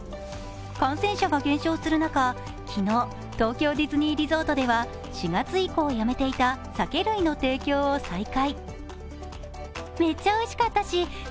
感染者が減少する中、昨日、東京ディズニーリゾートでは４月以降やめていた酒類の提供を再開。